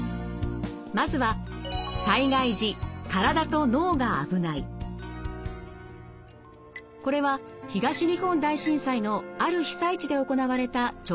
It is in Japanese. まずはこれは東日本大震災のある被災地で行われた調査結果です。